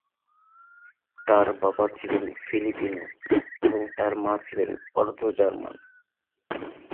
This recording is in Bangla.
তার বাবা ছিলেন ফিলিপিনো এবং তার মা ছিলেন অর্ধ-জার্মান।